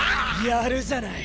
やるじゃない。